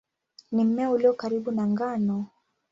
Ni mmea ulio karibu na ngano.